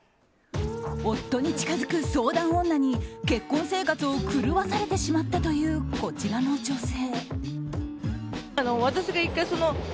夫に近づく相談女に結婚生活を狂わされてしまったというこちらの女性。